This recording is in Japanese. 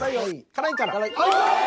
辛いから。